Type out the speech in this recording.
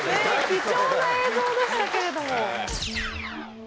貴重な映像でしたけれども。